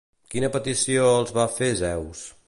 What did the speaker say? Quina petició els va fer Zeus?